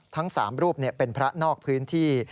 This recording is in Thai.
ทั้ง๓รูปเป็นพระนอกพื้นที่